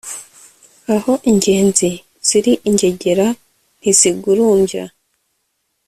aho ingenzi ziri ingegera ntizigurumbya